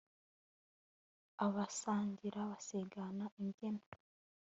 abasangira basigana imbyiro